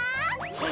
え？